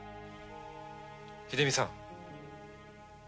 秀美さん。